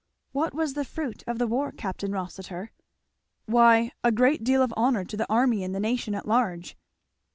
"What was the fruit of the war, Capt. Rossitur?" "Why, a great deal of honour to the army and the nation at large."